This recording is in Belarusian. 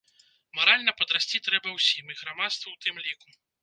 Маральна падрасці трэба ўсім, і грамадству ў тым ліку.